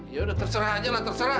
yaudah terserah aja lah terserah